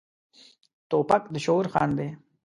توپک د شعور خنډ دی.